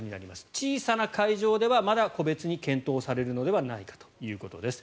小さな会場ではまだ個別に検討されるのではないかということです。